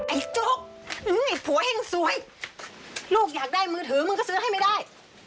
ไอ้จุ๊คไอ้ผัวแห้งซวยลูกอยากได้มือถือเราก็ซื้อให้ไม่ได้